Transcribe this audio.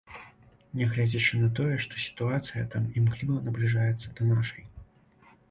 Нягледзячы на тое, што сітуацыя там імкліва набліжаецца да нашай.